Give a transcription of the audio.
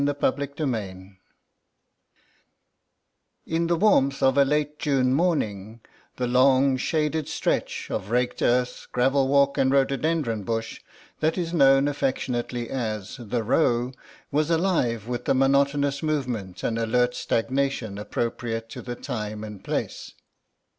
CHAPTER IX IN the warmth of a late June morning the long shaded stretch of raked earth, gravel walk and rhododendron bush that is known affectionately as the Row was alive with the monotonous movement and alert stagnation appropriate to the time and place.